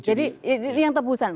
jadi ini yang tebusan